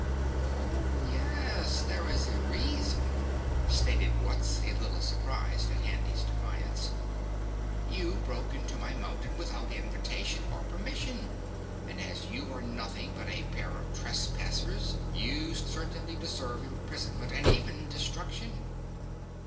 "Oh, yes, there is a reason," stated Wutz a little surprised at Handy's defiance. "You broke into my mountain without invitation or permission and as you are nothing but a pair of trespassers, you certainly deserve imprisonment and even destruction."